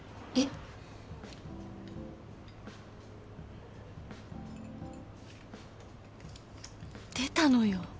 えっ？出たのよ。